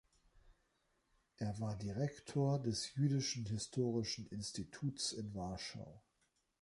Er war Direktor des Jüdischen Historischen Instituts in Warschau.